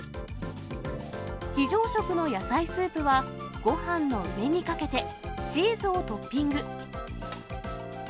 非常食の野菜スープは、ごはんの上にかけてチーズをトッピング。